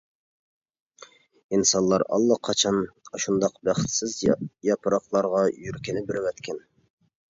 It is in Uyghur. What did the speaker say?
ئىنسانلار ئاللىقاچان ئاشۇنداق بەختسىز ياپراقلارغا يۈرىكىنى بېرىۋەتكەن.